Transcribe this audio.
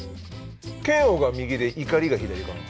嫌悪が右で怒りが左かな？